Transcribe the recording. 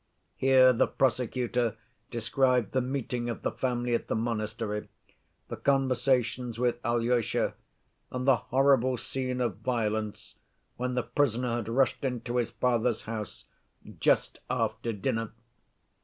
Here the prosecutor described the meeting of the family at the monastery, the conversations with Alyosha, and the horrible scene of violence when the prisoner had rushed into his father's house just after dinner.